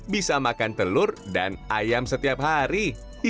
bisa makan telur dan ayam setiap hari